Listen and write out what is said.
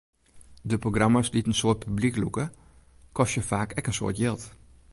De programma's dy't in soad publyk lûke, kostje faak ek in soad jild.